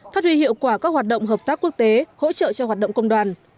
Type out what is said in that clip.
phát huy hiệu quả các hoạt động hợp tác quốc tế hỗ trợ cho hoạt động công đoàn